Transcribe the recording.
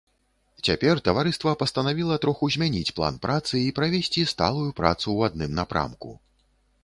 Цяпер таварыства пастанавіла троху змяніць план працы і правесці сталую працу ў адным напрамку.